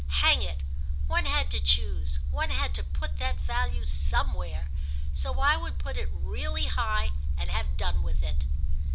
Hang it, one had to choose, one had to put that value somewhere; so I would put it really high and have done with it.